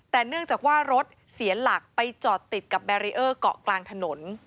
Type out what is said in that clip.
แต่เนื่องจากว่ารถเสียหลักไปจอดติดกับแบรีเออร์เกาะกลางถนน